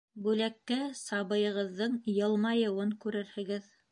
Бүләккә сабыйығыҙҙың йылмайыуын күрерһегеҙ.